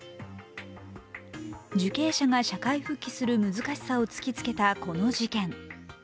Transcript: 受刑者が社会復帰をする難しさを突きつけたこの事件。